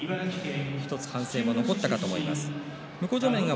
１つ反省も残ったと思います。